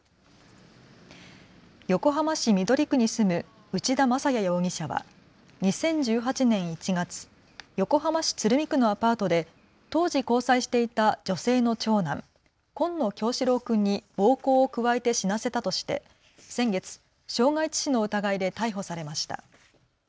横浜市緑区に住む内田正也容疑者は２０１８年１月、横浜市鶴見区のアパートで当時交際していた女性の長男、紺野叶志郎君に暴行を加えて死なせたとして先月、傷害致死の疑いで逮捕されました。